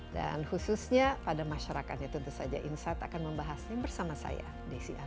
dan khususnya pada masyarakatnya tentu saja insat akan membahasnya bersama saya di sian